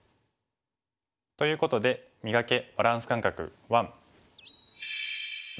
ということで「磨け！バランス感覚１」。